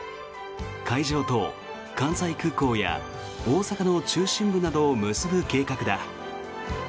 会場と関西空港や大阪の中心部などを結ぶ計画だ。